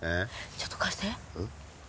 ちょっと貸して。